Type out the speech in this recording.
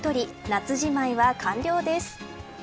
夏じまいは完了です。